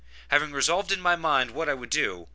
Having resolved in my mind what I would do.